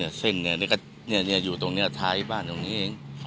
นึงบ้านผมออกซึ่งอยู่ตรงนี้ท้ายบ้านตรงนี้เอง